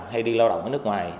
hay đi lao động ở nước ngoài